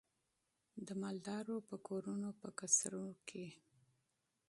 د مالدارو په کورونو په قصرو کي